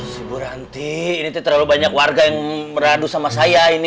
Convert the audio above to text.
si buranti ini terlalu banyak warga yang meradu sama saya